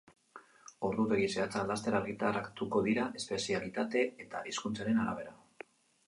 Ordutegi zehatzak laster argitaratuko dira, espezialitate eta hizkuntzaren arabera.